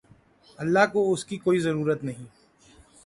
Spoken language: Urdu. اللہ کو اس کی کوئی ضرورت نہیں